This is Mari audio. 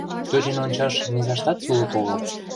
Тӧчен ончаш низаштат сулык огыл.